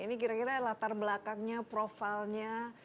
ini kira kira latar belakangnya profilnya